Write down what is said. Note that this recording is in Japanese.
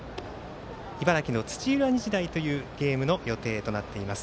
茨城の土浦日大というゲームの予定となっています。